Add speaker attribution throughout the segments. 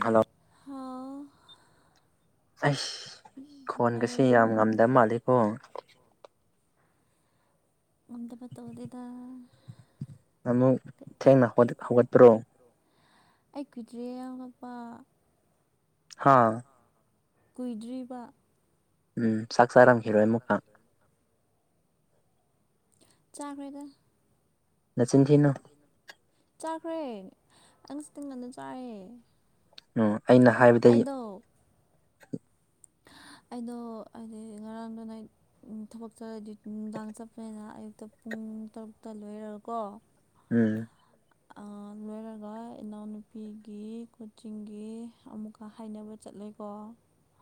Speaker 1: hello
Speaker 2: ꯍꯥꯎ
Speaker 1: ꯑꯩꯁ ꯈꯣꯟꯒꯁꯦ ꯌꯥꯝ ꯉꯝꯗꯕ ꯃꯥꯜꯂꯤꯀꯣ
Speaker 2: ꯉꯝꯗꯕ ꯇꯧꯗꯦꯗ
Speaker 1: ꯑꯃꯨꯛ ꯊꯦꯡꯅ ꯍꯧꯒꯠ ꯍꯧꯒꯠꯄ꯭ꯔꯣ
Speaker 2: ꯑꯩ ꯀꯨꯏꯗ꯭ꯔꯤ ꯌꯥꯎꯔꯛꯄ
Speaker 1: ꯍꯥꯥ
Speaker 2: ꯀꯨꯏꯗ꯭ꯔꯤꯕ
Speaker 1: ꯎꯝ ꯆꯥꯛ ꯆꯥꯔꯝꯈꯤꯔꯣꯏ ꯑꯃꯨꯛꯀ
Speaker 2: ꯆꯥꯈ꯭ꯔꯦꯗ
Speaker 1: ꯅꯆꯤꯟ ꯊꯤꯅꯨ
Speaker 2: ꯆꯥꯈ꯭ꯔꯦ ꯑꯩ ꯉꯁꯤꯗꯤ ꯉꯟꯅ ꯆꯥꯢꯌꯦ
Speaker 1: ꯎꯝ ꯑꯩꯅ ꯍꯥꯏꯕꯗ
Speaker 2: ꯑꯩꯗꯣ ꯑꯩꯗꯤ ꯉꯔꯥꯡꯗꯣ [unintelligible] [unintelligible] ꯎꯝ ꯊꯕꯛ ꯆꯠꯂꯗꯤ ꯅꯨꯡꯗꯥꯡ ꯆꯠꯄꯅꯤꯅ ꯑꯌꯨꯛꯇ ꯄꯨꯡ ꯇꯔꯨꯛꯇ ꯂꯣꯏꯔꯀꯣ
Speaker 1: ꯎꯝ
Speaker 2: ꯑꯥ ꯂꯣꯏꯔꯒ ꯏꯅꯥꯎꯅꯨꯄꯤꯒꯤ ꯀꯣꯆꯤꯡꯒꯤ ꯑꯃꯨꯛ ꯑꯥ ꯍꯥꯏꯅꯕ ꯆꯠꯂꯦꯀꯣ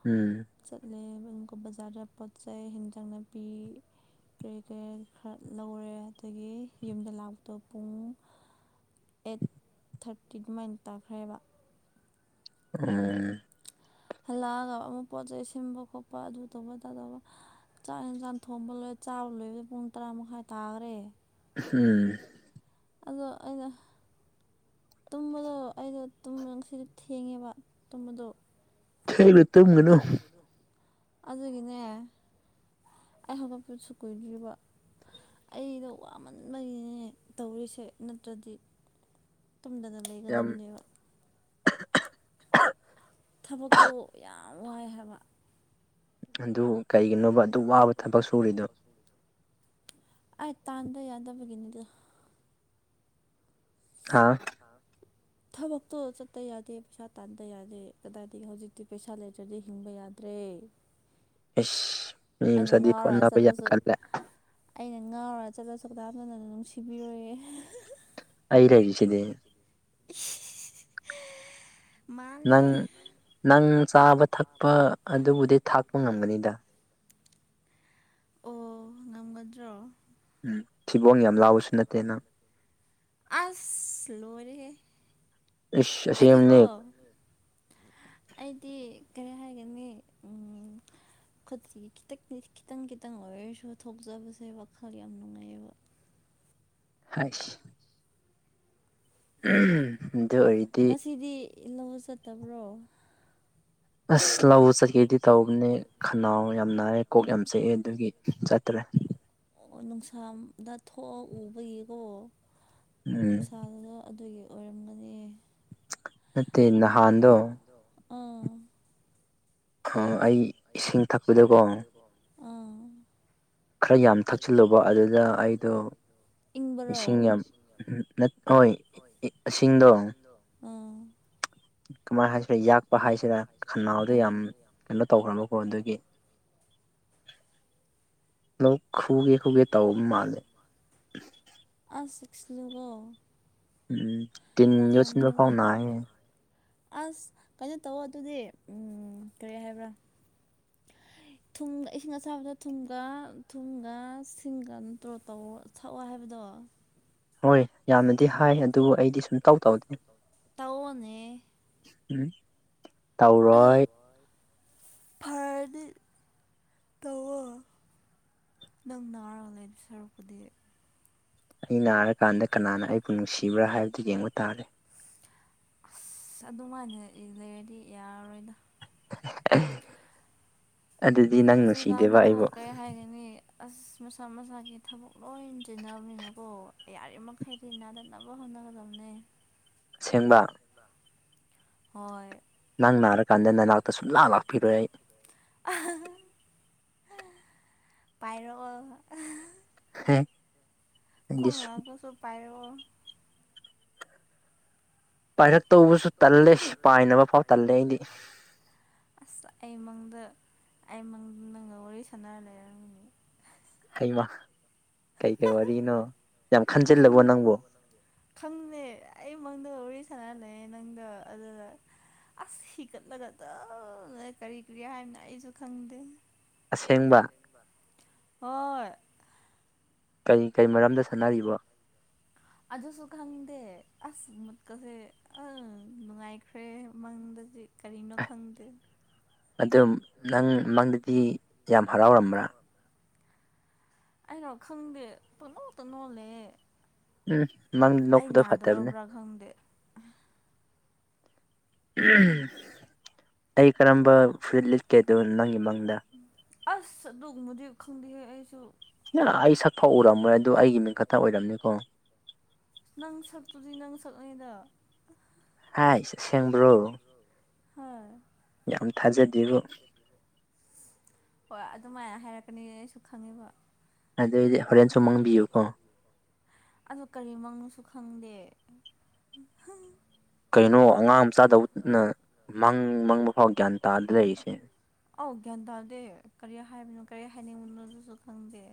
Speaker 1: ꯎꯝ
Speaker 2: ꯆꯠꯂꯦ ꯕꯖꯥꯔꯗ ꯄꯣꯠ-ꯆꯩꯩ ꯌꯦꯟꯖꯥꯡ-ꯅꯥꯄꯤ ꯀꯔꯤ-ꯀꯔꯤ ꯈꯔ ꯂꯧꯔꯦ ꯑꯗꯒꯤ ꯌꯨꯝꯗ ꯂꯥꯛꯄꯗꯣ ꯄꯨꯡ ꯑꯦꯠ ꯊꯥꯔꯇꯤ ꯑꯗꯨꯃꯥꯏꯅ ꯇꯥꯈ꯭ꯔꯦꯕ
Speaker 1: ꯎꯝ
Speaker 2: ꯍꯜꯂꯛꯑꯒ ꯑꯃꯨꯛ ꯄꯣꯠ ꯆꯩꯩ ꯁꯦꯝꯕ ꯈꯣꯠꯄ ꯑꯗꯨ ꯇꯧꯕ ꯑꯗꯥ ꯇꯧꯕ ꯆꯥꯛ ꯌꯦꯟꯁꯥꯡ ꯊꯣꯡꯕ ꯂꯣꯏꯔ ꯆꯥꯕ ꯂꯣꯏꯕꯗ ꯄꯨꯡ ꯇꯔꯥ ꯃꯈꯥꯏ ꯇꯥꯒ꯭ꯔꯦ
Speaker 1: ꯎꯝ
Speaker 2: ꯑꯗꯣ ꯑꯩꯅ ꯇꯨꯝꯕꯗꯣ ꯑꯩꯗꯣ ꯇꯨꯝꯕꯗꯣ ꯉꯁꯤꯗꯤ ꯊꯦꯡꯉꯦꯕ ꯇꯨꯝꯕꯗꯣ
Speaker 1: ꯊꯦꯡꯅ
Speaker 2: ꯑꯗꯨꯒꯤꯅꯦ ꯑꯩ ꯍꯧꯒꯠꯄꯁꯨ ꯀꯨꯏꯗ꯭ꯔꯤꯕ ꯑꯩꯗꯣ ꯋꯥꯃꯟꯕꯒꯤꯅꯦ ꯇꯧꯔꯤꯁꯦ ꯅꯠꯇ꯭ꯔꯗꯤ ꯇꯨꯝꯗꯅ ꯂꯩꯒꯗꯕꯅꯦꯕ ꯊꯕꯛꯇꯣ ꯌꯥꯝ ꯋꯥꯏ ꯍꯥꯏꯕ
Speaker 1: ꯑꯗꯨ ꯀꯩꯒꯤꯅꯣꯕ ꯑꯗꯨꯛ ꯋꯥꯕ ꯊꯕꯛ ꯁꯨꯔꯤꯗꯨ
Speaker 2: ꯑꯩ ꯇꯥꯟꯗ ꯌꯥꯗꯕꯒꯤꯅꯤꯗ
Speaker 1: ꯍꯥꯥ
Speaker 2: ꯍꯥꯥ ꯊꯕꯛꯇꯣ ꯆꯠꯇ ꯌꯥꯗꯦ ꯄꯩꯁꯥ ꯇꯥꯟꯗ ꯌꯥꯗꯦ ꯀꯗꯥꯏꯗꯤꯒꯤ ꯍꯧꯖꯤꯛꯇꯤ ꯄꯩꯁꯥ ꯂꯩꯇ꯭ꯔꯗꯤ ꯍꯤꯡꯕ ꯌꯥꯗ꯭ꯔꯦ
Speaker 1: ꯏꯁ ꯃꯤ ꯃꯆꯥꯗꯤ ꯍꯣꯠꯅꯕ ꯌꯥꯝ ꯀꯜꯂꯦ
Speaker 2: ꯑꯩꯅ ꯉꯥꯎꯔ ꯆꯠꯂꯁꯨ ꯀꯅꯥꯝꯇꯅ ꯅꯨꯡꯁꯤꯕꯤꯔꯣꯏꯌꯦ
Speaker 1: ꯑꯩ ꯂꯩꯔꯤꯁꯤꯗꯤ ꯅꯪ ꯅꯪ ꯆꯥꯕ ꯊꯛꯄ ꯑꯗꯨꯕꯨꯗꯤ ꯊꯥꯛꯄ ꯉꯝꯒꯅꯤꯗ
Speaker 2: ꯑꯣ ꯉꯝꯒꯗ꯭ꯔꯣ
Speaker 1: ꯎꯝ ꯐꯤꯕꯣꯡ ꯌꯥꯝ ꯂꯥꯎꯕꯁꯨ ꯅꯠꯇꯦ ꯅꯪ
Speaker 2: ꯑꯁꯁ ꯂꯣꯏꯔꯦꯍꯦ ꯑꯩꯗꯤꯀꯣ ꯑꯩꯗꯤ ꯀꯔꯤ ꯍꯥꯏꯒꯅꯤ ꯎꯝ ꯈꯨꯠꯇꯒꯤ ꯈꯤꯇꯛ ꯈꯤꯇꯪ-ꯈꯤꯇꯪ ꯑꯣꯏꯔꯁꯨ ꯊꯣꯛꯆꯕꯁꯦ ꯋꯥꯈꯜ ꯌꯥꯝ ꯅꯨꯡꯉꯥꯏꯑꯦꯕ
Speaker 1: ꯍꯥꯏ꯭ꯁ ꯎꯝ ꯑꯗꯨ ꯑꯣꯏꯔꯗꯤ
Speaker 2: ꯁꯤꯗꯤ ꯂꯧ ꯆꯠꯇꯕ꯭ꯔꯣ
Speaker 1: ꯑꯁ ꯂꯧꯕ ꯆꯠꯀꯦꯗꯤ ꯇꯧꯕꯅꯦ ꯈꯅꯥꯎ ꯌꯥꯝ ꯅꯥꯍꯦ ꯀꯣꯛ ꯌꯥꯝ ꯆꯤꯛꯑꯦ ꯑꯗꯨꯒꯤ ꯆꯠꯇ꯭ꯔꯦ
Speaker 2: ꯑꯣ ꯅꯨꯡꯁꯥꯗ ꯊꯣꯛꯑ ꯎꯕꯒꯤꯀꯣ ꯅꯨꯡꯁꯥꯗꯨꯗ ꯑꯗꯨꯒꯤ ꯑꯣꯏꯔꯝꯒꯅꯤ
Speaker 1: ꯅꯠꯇꯦ ꯅꯍꯥꯟꯗꯣ
Speaker 2: ꯎꯝ
Speaker 1: ꯈꯪ ꯑꯩ
Speaker 2: ꯏꯁꯤꯡ ꯊꯛꯄꯗꯀꯣ ꯎꯝ
Speaker 1: ꯈꯔ ꯌꯥꯝ ꯊꯛꯆꯤꯜꯂꯨꯕ ꯑꯗꯨꯗ ꯑꯩꯗꯣ ꯏꯁꯤꯡ ꯌꯥꯝ ꯅꯠ ꯑꯣꯏ ꯏ-ꯑꯁꯤꯡꯗꯣ
Speaker 2: ꯎꯝ
Speaker 1: ꯀꯃꯥꯏ ꯍꯥꯏꯁꯤꫪ ꯌꯥꯛꯄ ꯍꯥꯏꯁꯤꯔ ꯈꯅꯥꯎꯗ ꯌꯥꯝ ꯀꯩꯅꯣ ꯇꯧꯈ꯭ꯔꯕꯀꯣ ꯑꯗꯨꯒꯤ ꯂꯣꯛ ꯈꯨꯒꯤ ꯈꯨꯒꯦ ꯇꯧꯕ ꯃꯥꯜꯂꯦ
Speaker 2: ꯑꯁ ꯆꯦꯛꯁꯤꯜꯂꯨꯀꯣ
Speaker 1: ꯎꯝ ꯇꯤꯟ ꯌꯣꯠꯁꯤꯟꯕ ꯐꯥꯎ ꯅꯥꯏꯌꯦ
Speaker 2: ꯑꯁ ꯀꯩꯅꯣ ꯇꯧꯋꯣ ꯑꯗꯨꯗꯤ ꯎꯝ ꯀ꯭ꯔꯤ ꯍꯥꯏꯕ꯭ꯔꯥ ꯊꯨꯝꯒ ꯏꯁꯤꯡ ꯑꯁꯥꯕꯗ ꯊꯨꯝꯒ ꯊꯨꯝꯒ ꯁꯤꯡꯒ ꯅ ꯇꯧꯔ ꯇꯧ ꯊꯛꯑꯣ ꯍꯥꯏꯕꯗꯣ
Speaker 1: ꯍꯣꯏ ꯌꯥꯝꯅꯗꯤ ꯍꯥꯏ ꯑꯗꯨꯕꯨ ꯑꯩꯗꯤ ꯁꯨꯝꯇꯧ ꯇꯧꯗꯦ [unintelligible]
Speaker 2: ꯑꯗꯣ ꯐꯔꯗꯤ ꯇꯧꯋꯣ ꯅꯪ ꯅꯥꯔꯒ ꯂꯩꯕ ꯁꯔꯨꯛꯄꯨꯗꯤ
Speaker 1: ꯑꯩ ꯅꯥꯔꯀꯥꯟꯗ ꯀꯅꯥꯅ ꯑꯩꯕꯨ ꯅꯨꯡꯁꯤꯕ꯭ꯔꯥ ꯍꯥꯏꯕꯗꯨ ꯌꯦꯡꯕ ꯇꯥꯔꯦ
Speaker 2: ꯑꯁ ꯑꯗꯨꯃꯥꯏꯅ ꯂꯩꯔꯗꯤ ꯌꯥꯔꯔꯣꯏꯗ
Speaker 1: ꯑꯗꯨꯗꯤ ꯅꯪ ꯅꯨꯡꯁꯤꯗꯦꯕ ꯑꯩꯕꯨ
Speaker 2: ꯍꯥꯏꯒꯅꯤ ꯑꯁ ꯃꯁꯥ ꯃꯁꯥꯒꯤ ꯊꯕꯛ ꯂꯣꯏ ꯆꯤꯟꯅꯕꯅꯤꯅꯀꯣ ꯌꯥꯔꯤꯃꯈꯩ ꯇꯤ ꯅꯥꯔꯛꯇꯅꯕ ꯍꯣꯠꯅꯒꯗꯕꯅꯦ
Speaker 1: ꯑꯁꯦꯡꯕ
Speaker 2: ꯍꯣꯏ
Speaker 1: ꯅꯪ ꯅꯥꯔꯀꯥꯟꯗ ꯅꯅꯥꯛꯇ ꯁꯨꯡ ꯂꯥꯛ ꯂꯥꯛꯄꯤꯔꯣꯏ ꯑꯩ
Speaker 2: ꯄꯥꯏꯔꯛꯑꯣ
Speaker 1: ꯍꯦ
Speaker 2: ꯈꯣꯡ ꯅꯥꯕꯇꯧꯁꯨ ꯄꯥꯏꯔꯛꯑꯣ
Speaker 1: ꯄꯥꯏꯔꯛꯇꯧꯕꯁꯨ ꯇꯜꯂꯦ ꯄꯥꯏꯅꯕ ꯐꯥꯎ ꯇꯜꯂꯦ ꯑꯩꯗꯤ
Speaker 2: ꯑꯁ ꯑꯩ ꯃꯪꯗ ꯑꯩ ꯃꯪꯗ ꯅꯪꯒ ꯋꯥꯔꯤ ꯁꯥꯟꯅꯔ ꯂꯩꯔꯝꯃꯤꯅꯤ
Speaker 1: ꯍꯩꯃꯥ ꯀꯩꯀꯩ ꯋꯥꯔꯤꯅꯣ
Speaker 2: ꯈꯪ [unintelligible] ꯈꯪꯗꯦ ꯑꯩ ꯃꯪꯗ ꯋꯥꯔꯤ ꯁꯥꯟꯅꯔ ꯂꯩꯌꯦ ꯅꯪꯗꫭ ꯑꯗꯨꯗ ꯑꯁ ꯍꯤꯒꯠꯂꯒ‌ ꯑꯗꯨꯝ ꯂꯩ ꯀꯔꯤ ꯀꯔꯤ ꯍꯥꯏꯝꯅꫭ ꯑꯩꯁꯨ ꯈꯪꯗꯦ
Speaker 1: ꯑꯁꯦꯡꯕ
Speaker 2: ꯍꯣꯏ
Speaker 1: ꯀꯩ ꯀꯩ ꯃꯔꯝꯗ ꯁꯥꯟꯅꯔꯤꯕ
Speaker 2: ꯑꯗꯨꯁꯨ ꯈꯪꯗꯦ ꯑꯁ ꯃꯨꯠꯀꯁꯦ ꯑꯪ ꯅꯨꯡꯉꯥꯏꯈ꯭ꯔꯦ ꯃꯪꯗꯗꯤ ꯀꯔꯤꯅꯣ ꯈꯪꯗꯦ
Speaker 1: ꯑꯗꯨꯝ ꯅꯪ ꯃꯪꯗꯗꯤ ꯌꯥꯝ ꯍꯔꯥꯎꯔꯝꯕ꯭ꯔ
Speaker 2: [inaudible] ꯑꯩꯔꯣ ꯈꯪꯗꯦ ꯄꯪꯅꯣꯛꯇ ꯅꯣꯛꯑ ꯂꯩꯌꯦ ꯑꯩ ꯅꯥꯗꫭꯔꯕ꯭ꯔ ꯈꯪꯗꯦ
Speaker 1: ꯑꯩ ꯀꯔꯝꯕ ꯐꯨꯔꯤꯠ ꯂꯤꯠꯀꯦꯗꯨ ꯅꯪꯒꯤ ꯃꯪꯗ
Speaker 2: ꯑꯁ ꯑꯗꯨꯒꯨꯝꯕꯗꯤ ꯈꯪꯗꯦꯍꯦ ꯑꯩꯁꯨ
Speaker 1: [unintelligible] ꯑꯩ ꯁꯛ ꯐꯥꯎ ꯎꯔꯝꯃꯣꯏ ꯑꯗꯨ ꯑꯩꯒꯤ ꯃꯤꯡꯈꯛꯇ ꯑꯣꯏꯔꯝꯅꯤꯀꯣ
Speaker 2: ꯅꯪ ꯁꯛꯇꯨꯗꯤ ꯅꯪ ꯁꯛꯅꯤꯗ
Speaker 1: ꯍꯥꯏꯁ ꯑꯁꯦꯡꯕ꯭ꯔꯣ
Speaker 2: ꯍꯣꯏ
Speaker 1: ꯌꯥꯝ ꯊꯥꯖꯗꯦꯕꯣ
Speaker 2: ꯍꯣꯏ ꯑꯗꯨꯃꯥꯏꯅ ꯍꯥꯏꯔꯛꯀꯅꯤ ꯑꯩꯁꯨ ꯈꯪꯉꯤꯕ
Speaker 1: ꯑꯗꯨꯗꯤ ꯍꯧꯔꯦꯟꯁꯨꯨ ꯃꯪꯕꯤꯌꯨꯀꯣ
Speaker 2: ꯑꯗꯨ ꯀꯔꯤ ꯃꯪꯅꯣꯁꯨ ꯈꯪꯗꯦ
Speaker 1: ꯀꯩꯅꯣ ꯑꯉꯥꯡ ꯃꯆꯥꯗꯧꯅ ꯃꯪ ꯃꯪꯕ ꯐꯥꯎ ꯒ꯭ꯌꯥꯟ ꯇꯥꯗ ꯂꯩꯔꯤꯁꯦ
Speaker 2: ꯑꯧ ꯒ꯭ꯌꯥꯟ ꯇꯥꯗꯦ ꯀꯔꯤ ꯍꯥꯏꯕꯅꯣ ꯀꯔꯤ ꯍꯥꯏꯅꯤꯡꯉꯕꯅꯣꯗꯨꯁꯨ ꯈꯪꯗꯦ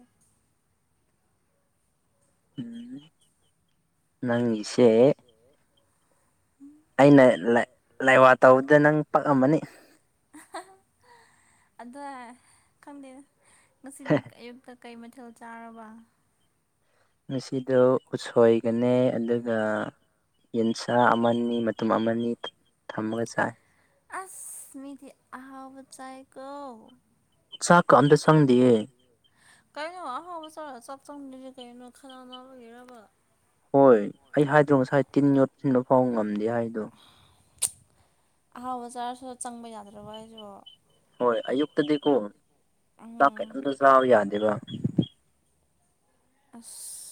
Speaker 1: ꯎꯝ ꯅꯪꯒꯤꯁꯦ ꯑꯩꯅ ꯂꯥꯏꯋꯥ ꯇꯧꯕꯗ ꯅꯪ ꯄꯛꯑꯝꯃꯅꯤ
Speaker 2: ꯑꯗ [unintelligible] ꯈꯪꯗꯦ ꯉꯁꯤꯗꯤ ꯑꯌꯨꯛꯇ ꯀꯩ ꯃꯊꯦꯜ ꯆꯥꯔꯕ
Speaker 1: ꯉꯁꯤꯗꯣ ꯎꯁꯣꯏꯒꯅꯦ ꯑꯗꯨꯒ ꯌꯦꯟꯁꯥ ꯑꯃꯅꯤ ꯃꯇꯨꯝ ꯑꯃꯅꯤ ꯊꯝꯃꯒ ꯆꯥꯏ
Speaker 2: ꯑꯥꯁ ꯃꯤꯗꯤ ꯑꯍꯥꯎꯕ ꯆꯥꯏꯀꫭ [unintelligible] [unintelligible] ꯑꯍꯥꯎꯕ ꯆꯥꯔ ꯆꯥꯛ ꯆꯪꯗꯣꯏꯁꯦ ꯀꯩꯅꯣ ꯈꯟꯅꯥꯎ ꯅꯥꯕꯒꯤꯔꯕ
Speaker 1: ꯍꯣꯏ ꯑꯩ ꯍꯥꯏꯗ꯭ꯔꯣ ꯉꯁꯥꯏ ꯇꯤꯟ ꯌꯣꯠꯁꯤꯟꯕ ꯐꯥꯎ ꯉꯝꯗꯦ ꯍꯥꯏꯗꯣ
Speaker 2: [unintelligible] ꯑꯍꯥꯎꯕ ꯆꯥꯔꯁꯨ ꯆꯪꯕ ꯌꯥꯗ꯭ꯔꯕ ꯑꯩꯁꯨ
Speaker 1: ꯍꯣꯏ ꯑꯌꯨꯛꯇꯗꯤꯀꯣ ꯆꯥꯛ ꯀꯩꯅꯣꯝꯇ ꯆꯥꯕ ꯌꯥꯗꯦꯕ
Speaker 2: ꯑꯁ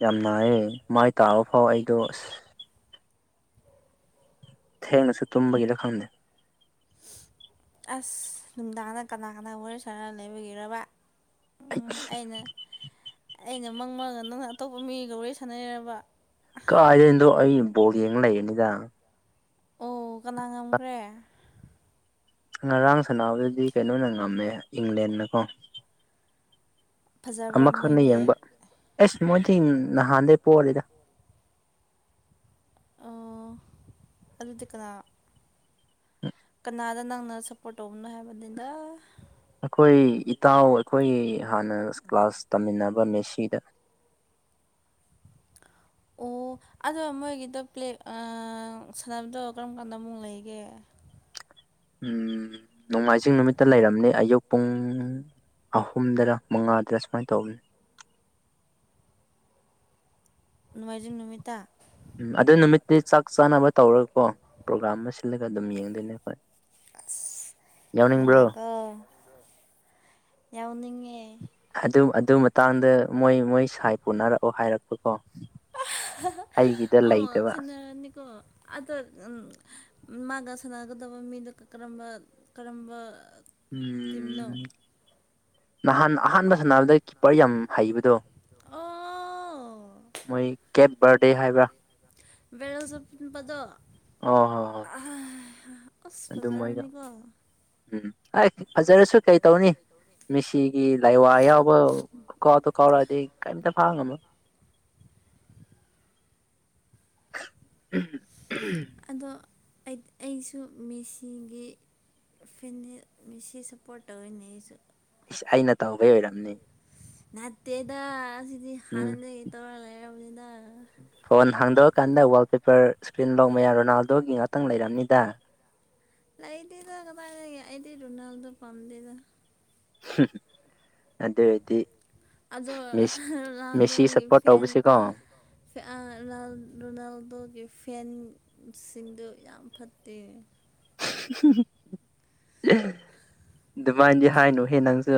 Speaker 1: ꯌꯥꯝ ꯅꯥꯥꯏꯌꯦ ꯃꯥꯏ ꯇꯥꯕꯐꯥꯎ ꯑꯩꯗꯣ ꯑꯁ ꯊꯦꯡꯅꯁꯨ ꯇꯨꯝꯕꯒꯤꯔ ꯈꯪꯗꯦ
Speaker 2: ꯑꯁ ꯅꯨꯡꯗꯥꯡꯗ ꯀꯅꯥ ꯀꯅꯥ ꯋꯥꯔꯤ ꯁꯥꯔꯒ ꯂꯩꯕꯤꯒꯤꯔꯕ
Speaker 1: [unintelligible]
Speaker 2: ꯑꯩꯅ ꯑꯩꯅ ꯃꯪ ꯃꯪꯉꯒ ꯅꯪꯅ ꯑꯇꯣꯞꯄ ꯃꯤꯒ ꯋꯥꯔꯤ ꯁꯥꯟꯅꯩꯔꯕ
Speaker 1: ꯀꯥꯏꯗꯩ ꯑꯗꯣ ꯑꯩ ꯕꯣꯜ ꯌꯦꯡꯉ ꯂꯩꯕꯅꯤꯗ
Speaker 2: ꯑꯣ ꯀꯅꯥ ꯉꯝꯈ꯭ꯔꯦ
Speaker 1: ꯉꯔꯥꯡ ꯁꯅꯥꯕꯗꯨꯗꯤ ꯀꯩꯅꯣꯅ ꯉꯝꯃꯦ ꯏꯪꯂꯦꯟꯅꯀꯣ ꯑꯃꯈꯛꯅ ꯌꯦꯡꯕ ꯑꯁ ꯃꯣꯏꯗꯤ ꯅꯍꯥꯟꯗꯒꯤ ꯄꯣꯔꯦꯗ
Speaker 2: ꯑꯣ ꯑꯗꯨꯗꯤ ꯀꯅꯥ
Speaker 1: ꯎꯝ
Speaker 2: ꯀꯅꯥꯗ ꯅꯪꯅ ꯁꯞꯄꯣꯔꯠ ꯇꯧꯕꯅꯣ ꯍꯥꯏꯕꯅꯤꯗ
Speaker 1: ꯑꯩꯈꯣꯏ ꯏꯇꯥꯎ ꯑꯩꯈꯣꯏ ꯍꯥꯟꯅ ꯀ꯭ꯂꯥꯁ ꯇꯝꯃꯤꯟꯅꯕ ꯃꯦꯁꯤꯗ
Speaker 2: ꯑꯣ ꯑꯗꯣ ꯃꯣꯏꯒꯤꯗꯣ ꯄ꯭ꯂꯦꯛ ꯁꯥꯟꯅꯕꯗꯣ ꯀꯔꯝ ꯀꯥꯟꯗ ꯑꯃꯨꯛ ꯂꯩꯒꯦ
Speaker 1: ꯎꯝ ꯅꯣꯡꯃꯥꯏꯖꯤꯡ ꯅꯨꯃꯤꯠꯇ ꯂꯩꯔꯝꯅꯤ ꯑꯌꯨꯛ ꯄꯨꯡ ꯑꯍꯨꯝꯗꯔ ꯃꯉꯥꯗꯔ ꯁꯨꯃꯥꯏꯅ ꯇꯧꯕꯅꯤ
Speaker 2: ꯅꯣꯡꯃꯥꯏꯖꯤꯡ ꯅꯨꯃꯤꯠꯇ
Speaker 1: ꯎꯝ ꯑꯗꯨ ꯅꯨꯃꯤꯠꯇꯨ ꯆꯥꯛ ꯆꯥꯅꯕ ꯇꯧꯔꯒꯀꯣ ꯄ꯭ꯔꯣꯒꯥꯔꯥꯝ ꯑꯃ ꯁꯤꯜꯂꯒ ꯑꯗꯨꯝ ꯌꯦꯡꯗꯣꯏꯅꯦ ꯑꯩꯈꯣꯏ
Speaker 2: ꯑꯁ ꯅꯨꯡꯉꯥꯏꯒꯣ ꯌꯥꯎꯅꯤꯡꯉꯦ
Speaker 1: ꯑꯗꯨ ꯑꯗꯨ ꯃꯇꯥꯡꯗ ꯃꯣꯏ ꯃꯣꯏ ꯁꯥꯏ ꯄꯨꯅꯔꯛꯑꯣ ꯍꯥꯏꯔꯛꯄꯀꯣ
Speaker 2: ꯑꯃꯨꯛꯒ ꯈꯠꯅꯔꯅꯤꯒꯣ ꯑꯗ ꯃꯥꯒ ꯁꯥꯟꯅꯒꯗꯕ ꯃꯤꯗꯨ ꯀꯔꯝꯕ ꯀꯔꯝꯕ
Speaker 1: ꯎꯝ ꯅꯍꯥꯟ ꯑꯍꯥꯟꯕ ꯁꯥꯟꯅꯕꯗ ꯀꯤꯞꯄꯔ ꯌꯥꯝ ꯍꯩꯕꯗꯣ ꯃꯣꯏ ꯀꯦꯞ ꯕꯥꯔꯗꯦ ꯍꯥꯏꯕ꯭ꯔꯥ
Speaker 2: ꯕꯥꯢꯔꯦꯜ ꯆꯠꯄ ꯅꯨꯄꯥꯗꯣ
Speaker 1: ꯑꯗꯨ ꯃꯣꯏꯒ ꯎꯝ ꯑꯩ ꯐꯖꯔꯁꯨ ꯀꯩ ꯇꯧꯅꯤ ꯃꯤꯁꯦ ꯁꯤꯒꯤ ꯂꯥꯏꯋꯥ ꯌꯥꯎꯕ ꯈꯨꯀꯥꯎꯗꯨ ꯀꯥꯎꯔꯛꯑꯗꯤ ꯀꯔꯤꯝꯇ ꯐꯥ ꯉꯝꯃꯣꯢ ꯎꯝ [unintelligible]
Speaker 2: ꯑꯗꯣ ꯑꯩꯁꯨ ꯃꯦꯁꯤꯒꯤ ꯐꯦꯟꯅꯤ ꯃꯦꯁꯤ ꯁꯞꯄꯣꯔꯠ ꯇꯧꯔꯤꯅꯦ ꯑꯩꯁꯨ
Speaker 1: ꯏꯁ ꯑꯩꯅ ꯇꯧꯕꯩ ꯑꯣꯏꯔꯝꯅꯤ
Speaker 2: ꯅꯠꯇꯦꯗ ꯁꯤꯗꯤ ꯍꯥꯟꯅꯗꯩ ꯇꯧꯔ ꯂꯩꯔꯕꯅꯤꯗ
Speaker 1: ꯐꯣꯟ ꯍꯥꯡꯗꯣꯛꯑꯀꯥꯟꯗ ꯋꯥꯜꯄꯦꯄꯔ ꯏꯁꯀ꯭ꯔꯤꯟ ꯂꯣꯛ ꯃꯌꯥꯝ ꯔꯣꯅꯥꯜꯗꯣꯒꯤ ꯉꯥꯛꯇ ꯂꯩꯔꯝꯅꯤꯗ
Speaker 2: ꯂꯩꯇꯦꯗ ꯀꯗꯥꯢꯗꯒꯤ ꯑꯩꯗꯤ ꯔꯣꯅꯥꯜꯗꯣ ꯄꯝꯗꯦꯗ
Speaker 1: [unintelligible] ꯑꯗꯨ ꯑꯣꯢꯔꯗꯤ ꯃꯦꯁꯤ ꯃꯦꯁꯤ ꯁꯞꯄꯣꯔꯠ ꯇꯧꯁꯤꯀꯣ
Speaker 2: ꯁꯦ ꯑꯥ ꯔꯣꯅꯥꯜ ꯔꯣꯅꯥꯜꯗꯣꯒꯤ ꯐꯦꯟ ꯁꯤꯡꯗꯣ ꯌꯥꯝ ꯐꯠꯇꯦ
Speaker 1: [unintelligible] ꯑꯗꯨꯃꯥꯏꯅꯗꯤ ꯍꯥꯏꯅꯨꯍꯦ ꯅꯪꯁꯨ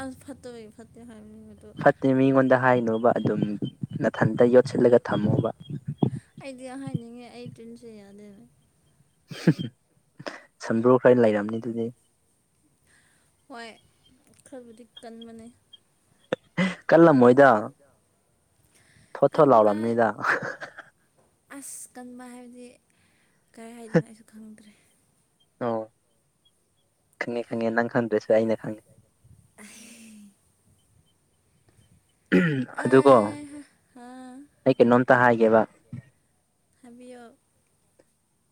Speaker 2: ꯑꯁ ꯐꯠꯇꯕꯒꯤ ꯐꯠꯇꯦ ꯍꯥꯏꯕꯒꯤ
Speaker 1: ꯐꯠꯇꯦ ꯃꯤꯉꯣꯟꯗ ꯍꯥꯏꯅꯣꯕ ꯑꯗꯨꯝ ꯅꯊꯟꯇ ꯌꯣꯠꯁꯤꯜꯂꯒ ꯊꯝꯃꯣꯕ
Speaker 2: ꯑꯩꯗꯤ ꯍꯥꯏꯅꯤꯡꯉꯦ ꯑꯩ ꯆꯤꯟꯁꯦ ꯌꯥꯗꯦꯅꯦ
Speaker 1: ꯁꯝꯕ꯭ꯔꯨ ꯈꯔ ꯂꯩꯔꯝꯅꯤ ꯑꯗꯨꯗꯤ
Speaker 2: ꯍꯣꯏ ꯈꯔꯕꯨꯗꯤ ꯀꯟꯕꯅꯦ
Speaker 1: ꯀꯜꯂꯝꯃꯣꯏꯗ ꯊꯣꯠ ꯊꯣꯠ ꯂꯥꯎꯔꯝꯅꯤꯗ
Speaker 2: ꯑꯁ ꯀꯟꯕ ꯍꯥꯏꯕꯗꯤ ꯀꯔꯤ ꯍꯥꯏꯗꯣꯏꯅꯣ ꯑꯩꯁꯨ ꯈꯪꯗ꯭ꯔꯦ
Speaker 1: ꯑꯣ ꯈꯪꯉꯦ ꯈꯪꯉꯦ ꯅꯪ ꯈꯪꯗ꯭ꯔꯁꯨ ꯑꯩꯅ ꯈꯪꯉꯦ
Speaker 2: [unintelligible]
Speaker 1: ꯑꯗꯨꯒꯣ ꯑꯩ ꯀꯩꯅꯣꯝꯇ ꯍꯥꯏꯒꯦꯕ
Speaker 2: ꯍꯥꯏꯕꯤꯌꯣ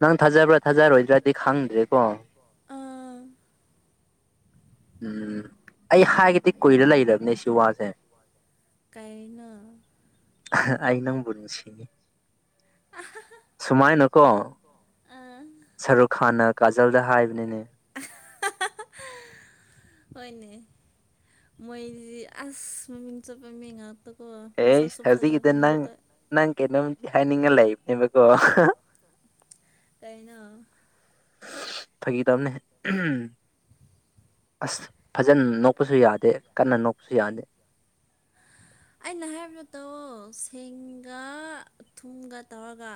Speaker 1: ꯅꯪ ꯊꯥꯖꯕ꯭ꯔ ꯊꯥꯖꯔꯣꯏꯗ꯭ꯔꯗꯤ ꯈꯪꯗ꯭ꯔꯦꯀꯣ
Speaker 2: ꯑ
Speaker 1: ꯎꯝ ꯑꯩ ꯍꯥꯏꯒꯦꯗꯤ ꯀꯨꯏꯔ ꯂꯩꯔꯝꯅꯦ ꯁꯤ ꯋꯥꯁꯦ
Speaker 2: ꯀꯩꯅꯣ
Speaker 1: [unintelligible] ꯑꯩ ꯅꯪꯕꯨ ꯅꯨꯡꯁꯤ ꯁꯨꯃꯥꯏꯅꯀꯣ ꯁꯔꯨꯛ ꯈꯥꯟꯅ ꯀꯥꯖꯜꯗ ꯍꯥꯏꯕꯅꯤꯅꯦ
Speaker 2: [unintelligible] ꯍꯣꯏꯅꯦ ꯃꯣꯏꯗꯤ ꯑꯁ ꯃꯃꯤꯡ ꯆꯠꯄ ꯃꯤ ꯉꯥꯛꯇ ꯀꫭ ꯃꯁꯛꯁꯨ ꯐꯖꯕ ꯉꯥꯛꯇ
Speaker 1: ꯅꯪ ꯀꯩꯅꫭꯝ ꯍꯥꯏꯅꯤꯡꯉ ꯂꯩꯕꯅꯦꯕꯀꯣ [unintelligible]
Speaker 2: ꯀꯩꯅꯣ
Speaker 1: ꯐꯥꯒꯤ ꯇꯧꯕꯅꯤ [unintelligible] ꯑꯁ ꯐꯖꯅ ꯅꯣꯛꯄꯁꯨ ꯌꯥꯗꯦ ꯀꯟꯅ ꯅꯣꯛꯄꯁꯨ ꯌꯥꯗꯦ
Speaker 2: [inaudible] ꯑꯩꯅ ꯍꯥꯏꯕꯗꯣ ꯇꯧꯋꫭ ꯁꯤꯡꯒ ꯊꯨꯝꯒ ꯇꯧꯔꯒ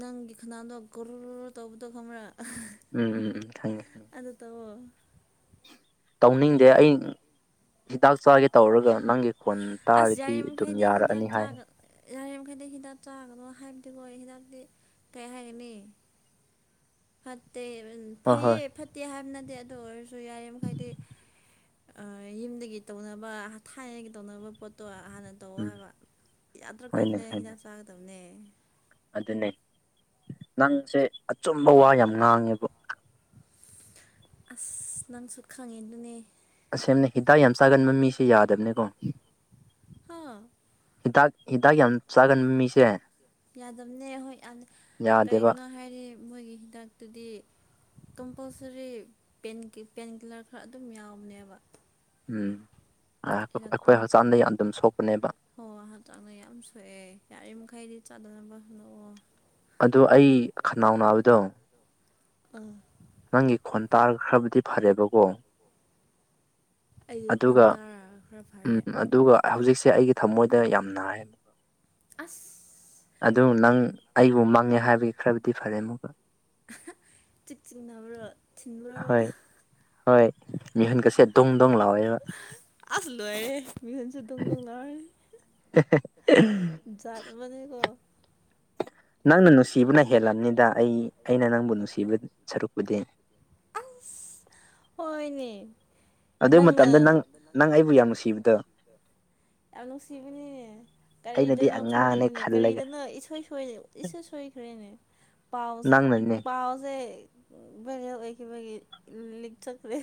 Speaker 2: ꯅꯪꯒꯤ ꯈꯟꯅꯥꯎꯗꯣ [unintelligible] ꯇꯧꯕꯗꯣ ꯈꯪꯕ꯭ꯔ
Speaker 1: ꯎꯝ ꯈꯪꯉꯤ
Speaker 2: ꯑꯗꯨ ꯇꯧꯋꫭ
Speaker 1: ꯇꯧꯅꯤꯡꯗꯦ ꯑꯩ ꯍꯤꯗꯥꯛ ꯆꯥꯒꯦ ꯇꯧꯔꯒ ꯅꯪꯒꯤ ꯐꯣꯟ ꯇꯥꯔꯗꯤ ꯑꯗꯨꯝ ꯌꯥꯔꯛꯑꯅꯤ ꯍꯥꯏ
Speaker 2: ꯌꯥꯔꯤꯃꯈꯩꯗꯤ ꯍꯤꯗꯥꯛ ꯆꯥꯒꯅꯣ ꯍꯥꯏꯕꯗꯤꯀꯣ ꯍꯤꯗꯥꯛꯇꯤ ꯀꯩ ꯍꯥꯏꯒꯅꯤ ꯐꯠꯇꯦ ꯐꯩꯌꯦ ꯐꯠꯇꯦ ꯍꯥꯏꯕ ꯅꯠꯇꯦ ꯑꯗꯣ ꯑꯣꯏꯔꯁꯨ ꯌꯥꯔꯤ ꯃꯈꯩꯗꯤ ꯑ ꯌꯨꯝꯗꯒꯤ ꯇꯧꯅꯕ ꯊꯥꯏꯅꯒꯤ ꯇꯧꯅꯕ ꯄꯣꯠꯇꯣ ꯍꯥꯟꯅ ꯇꯧꯋꫭ ꯍꯥꯏꯕ ꯌꯥꯗ꯭ꯔ ꯀꯥꯟꯗ ꯍꯤꯗꯥꯛ ꯆꯥꯒꯗꯝꯅꯦ
Speaker 1: ꯑꯗꯨꯅꯦ ꯅꯪꯁꯦ ꯑꯆꯨꯝꯕ ꯋꯥ ꯌꯥꯝ ꯉꯥꯡꯉꯦꯕꯨ
Speaker 2: ꯑꯁ ꯅꯪꯁꯨ ꯈꯪꯉꯤꯗꯨꯅꯤ
Speaker 1: ꯑꯁꯦꯝꯅꯦ ꯍꯤꯗꯥꯛ ꯌꯥꯝ ꯆꯥꯒꯟꯕ ꯃꯤꯁꯦ ꯌꯥꯗꯞꯅꯤꯀꯣ ꯍꯤꯗꯥꯛ ꯍꯤꯗꯥꯛ ꯌꯥꯝ ꯆꯥꯒꯟꯕ ꯃꯤꯁꯦ
Speaker 2: ꯌꯥꯗꯝꯅꯦ ꯍꯣꯏ [unintelligible] ꯀꯔꯤꯒꯤꯅꯣ ꯍꯥꯏꯗꯤ ꯃꯣꯏꯒꯤ ꯍꯤꯗꯥꯛꯇꯨꯗꯤ ꯀꯝꯄꯜꯁꯔꯤ ꯄꯦꯟꯀꯤ ꯄꯦꯟꯀꯤꯂꯔ ꯈꯔ ꯑꯗꯨꯝ ꯌꯥꯎꯕꯅꯦꯕ
Speaker 1: ꯎꯝ ꯑ ꯑꯩꯈꯣꯏ ꯍꯛꯆꯥꯡꯗ ꯌꯥꯝ ꯑꯗꯨꯝ ꯁꯣꯛꯄꯅꯦꯕ
Speaker 2: ꯍꯣ ꯍꯛꯆꯥꯡꯅ ꯌꯥꯝ ꯁꯣꯛꯑꯦ ꯌꯥꯔꯤꯃꯈꯩꯗꯤ ꯆꯥꯗꯅꯕ ꯍꫭꯟꯅꯧꯋꫭ
Speaker 1: ꯑꯗꯨ ꯑꯩ ꯈꯟꯅꯥꯎ ꯅꯥꯕꯗꯣ
Speaker 2: ꯑ
Speaker 1: ꯅꯪꯒꯤ ꯈꯣꯟ ꯇꯥꯔ ꯈꯔꯕꯨꯗꯤ ꯐꯔꯦꯕꯀꯣ ꯑꯗꯨꯒ ꯎꯝ ꯑꯗꯨꯒ ꯍꯧꯖꯤꯛꯁꯦ ꯑꯩꯒꯤ ꯊꯝꯃꯣꯏꯗ ꯌꯥꯝ ꯅꯥꯏ
Speaker 2: ꯑꯁ
Speaker 1: ꯑꯗꯨ ꯅꯪ ꯑꯩꯕꯨ ꯃꯡꯉꯦ ꯍꯥꯏꯕꯒꯤ ꯈꯔꯕꯨꯗꯤ ꯐꯔꯦ ꯑꯃꯨꯛꯀ
Speaker 2: [unintelligible] ꯆꯤꯛ ꯆꯤꯛ ꯅꯥꯕ꯭ꯔꯣ ꯊꯤꯟꯕ꯭ꯔꯣꯕ
Speaker 1: ꯍꯣꯏ ꯃꯤꯍꯨꯟ ꯒꯁꯦ ꯗꯨꯡ ꯗꯨꯡ ꯂꯥꯎꯋꯦꯕ
Speaker 2: ꯑꯁ ꯂꯣꯏꯔꯦ ꯃꯤꯍꯟꯁꯨ ꯗꯨꯡ ꯗꯨꯡ ꯂꯥꯎꯔꯦ [unintelligible] ꯖꯥꯠ ꯑꯃꯅꯤꯀꯣ
Speaker 1: ꯅꯪꯅ ꯅꯨꯡꯁꯤꯕꯅ ꯍꯦꯜꯂꯝꯅꯤꯗ ꯑꯩ ꯑꯩꯅ ꯅꯪꯕꯨ ꯅꯨꯡꯁꯤꯕ ꯁꯔꯨꯛꯄꯨꯗꯤ
Speaker 2: ꯑꯁ ꯍꯣꯏꯅꯦ
Speaker 1: ꯑꯗꯨꯏ ꯃꯇꯝꯗ ꯅꯪ ꯅꯪ ꯑꯩꯕꯨ ꯌꯥꯝ ꯅꯨꯡꯁꯤꯕꯗꯣ
Speaker 2: ꯌꯥꯝ ꯅꯨꯡꯁꯤꯕꯅꯤꯅꯦ ꯀꯔꯤꯗꯅꯣ ꯈꯪꯗ꯭ꯔꯦꯅꯦ ꯀꯔꯤꯗꯅꯣ ꯏꯁꯣꯏ ꯁꯣꯏ [unintelligible] ꯏꯁꯣꯏ ꯁꯣꯏꯈ꯭ꯔꯦꯅꯦ ꯄꯥꯎ ꯄꯥꯎꯁꯦ ꯕꯥꯏꯔꯦꯜ ꯑꯣꯏꯈꯤꯕꯒꯤ ꯂꯤꯛ ꯆꯠꯈ꯭ꯔꯦ